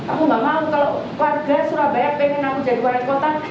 aku gak mau kalau warga surabaya pengen aku jadi wali kota